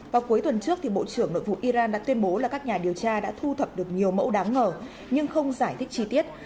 vào cuối tuần trước bộ trưởng nội vụ iran đã tuyên bố là các nhà điều tra đã thu thập được nhiều mẫu đáng ngờ nhưng không giải thích chi tiết